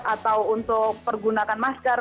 atau untuk pergunakan masker